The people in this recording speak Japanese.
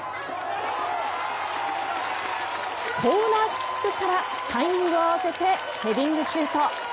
コーナーキックからタイミングを合わせてヘディングシュート。